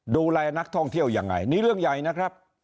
ดูแลนักท่องเที่ยวยังไงนี่เรื่องใหญ่นะครับ